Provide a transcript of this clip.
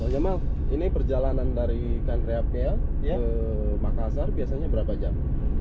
jamal perjalanan dari kanriapia ke makassar biasanya berapa jam